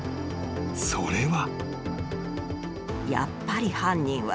［それは］